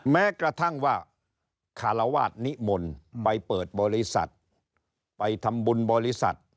แม้กระทั่งว่าคารวาสนิมนต์ไปเปิดบริษัทไปทำบุญบริษัท